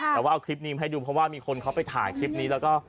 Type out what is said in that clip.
แต่ว่าเอาคลิปนี้มาให้ดูเพราะว่ามีคนเขาไปถ่ายคลิปนี้แล้วก็